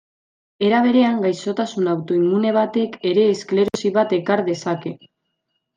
Era berean, gaixotasun autoimmune batek ere esklerosi bat ekar dezake.